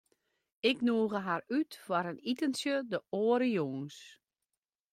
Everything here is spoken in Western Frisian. Ik nûge har út foar in itentsje de oare jûns.